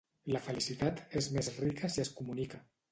La felicitat és més rica si es comunica.